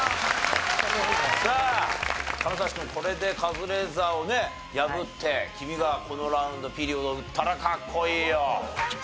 さあ金指君これでカズレーザーをね破って君がこのラウンドピリオドを打ったらかっこいいよ。